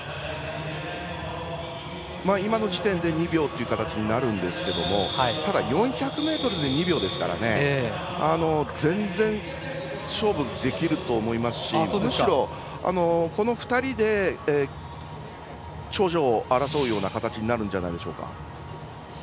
今の時点で２秒という形になるんですがただ、４００ｍで２秒ですから全然、勝負できると思いますしむしろ、この２人で頂上を争う形になるんじゃないでしょうか。